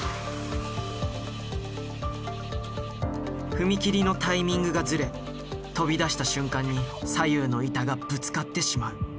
踏切のタイミングがずれ飛び出した瞬間に左右の板がぶつかってしまう。